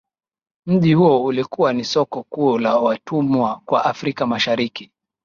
Mji huo ulikuwa ni soko kuu la watumwa kwa Afrika mashariki